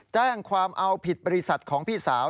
แจ้งความเอาผิดบริษัทของพี่สาว